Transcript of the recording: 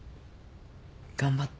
頑張って。